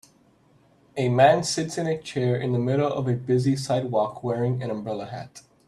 A man sits in a chair in the middle of a busy sidewalk wearing an umbrella hat.